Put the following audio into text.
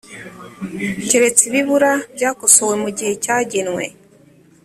keretse ibibura byakosowe mu gihe cyagenwe